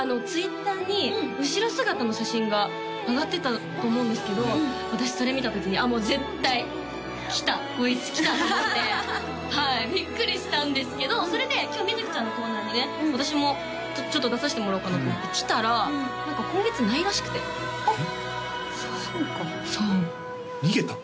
Ｔｗｉｔｔｅｒに後ろ姿の写真が上がってたと思うんですけど私それ見た時に「もう絶対来た」「こいつ来た」と思ってはいビックリしたんですけどそれで今日瑞ちゃんのコーナーでね私もちょっと出させてもらおうかなと思って来たら何か今月ないらしくてあっそうかそう逃げた？